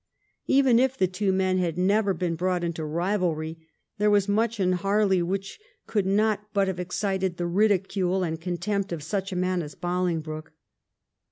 Even if the two men had never been brought into rivalry, there was much in Harley which could not but have excited the ridicule and contempt of such a man as Bolingbroke.